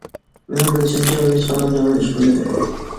مىنىڭ بىلىشىمچە ئۇ ھېچقانداق يامان ئىش قىلمىدى.